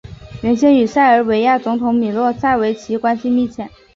原先与塞尔维亚总统米洛塞维奇关系密切。